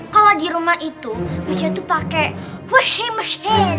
kalau di rumah itu kita tuh pake washing machine